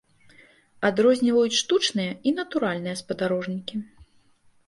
Адрозніваюць штучныя і натуральныя спадарожнікі.